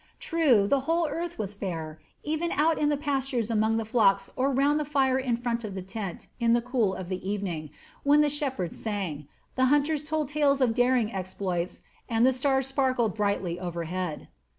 True, the whole earth was fair, even out in the pastures among the flocks or round the fire in front of the tent in the cool of the evening, when the shepherds sang, the hunters told tales of daring exploits, and the stars sparkled brightly overhead.